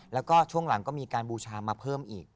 แล้วก็ช่วงหลังก็มีการบูชามาเพิ่มอีก